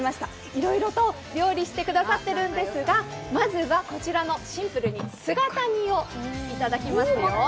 いろいろと料理してくださっているんですが、まずはこちらのシンプルに姿煮をいただきますよ。